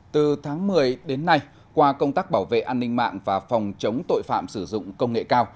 từ tháng một mươi đến nay qua công tác bảo vệ an ninh mạng và phòng chống tội phạm sử dụng công nghệ cao